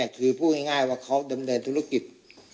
คือพูดง่ายว่าเขาดำเนินธุรกิจ